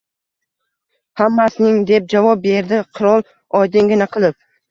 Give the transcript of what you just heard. Hammasining, — deb javob berdi qirol oddiygina qilib.